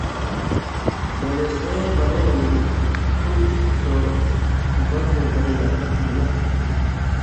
ولے سېں بنَیں لمل تُو سو بَدرَیں برئ لا تَپ نیۡ بہ۔